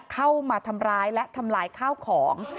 เข้ามาทำร้ายและทำลายข้าวของ